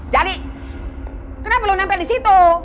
jali kenapa lu nampe disitu